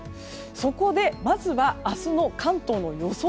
そこでまずは明日の関東の予想